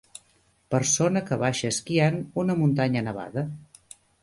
Persona que baixa esquiant una muntanya nevada.